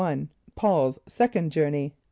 Paul's Second Journey.